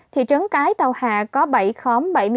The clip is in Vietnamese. thị trấn cái tàu hạ có bảy trường hợp